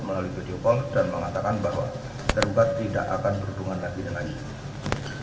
melalui video call dan mengatakan bahwa tergugat tidak akan berhubungan lagi dengan ibu